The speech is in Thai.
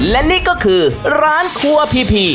และนี่ก็คือร้านครัวพีพี